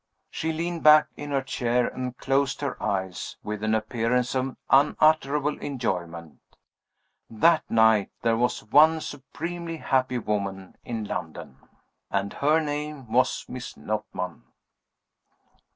She leaned back in her chair and closed her eyes, with an appearance of unutterable enjoyment. That night there was one supremely happy woman in London. And her name was Miss Notman.